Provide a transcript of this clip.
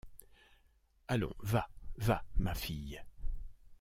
Allons, va, va, ma fille…